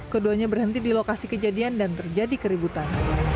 keduanya berhenti di lokasi kejadian dan terjadi keributan